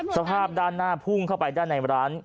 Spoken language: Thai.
สภาพด้านหน้าพุ่งเข้าไปด้านในร้าน